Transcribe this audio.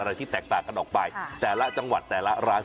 ที่แตกต่างกันออกไปแต่ละจังหวัดแต่ละร้าน